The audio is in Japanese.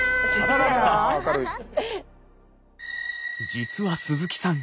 実は鈴木さん